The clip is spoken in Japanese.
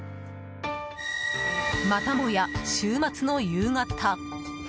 またもや週末の夕方。